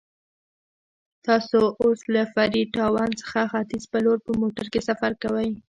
تاسو اوس له فري ټاون څخه ختیځ په لور په موټر کې سفر کوئ.